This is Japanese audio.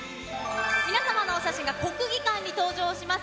皆様のお写真が国技館に登場します